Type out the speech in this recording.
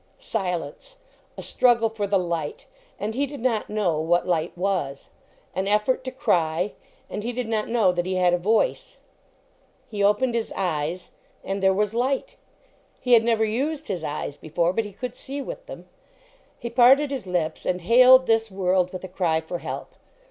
Silence. A struggle for the light. And he did not know what light was. An effort to cry. And he did not know that he had a voice. He opened his eyes, "and there was light." He had never used his eyes before, but he could see with them. He parted his lips and hailed this world with a cry for help.